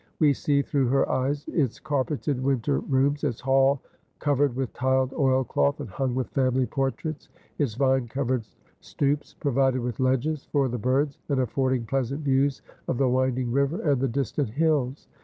We see through her eyes its carpeted winter rooms, its hall covered with tiled oilcloth and hung with family portraits, its vine covered stoeps, provided with ledges for the birds, and affording "pleasant views of the winding river and the distant hills."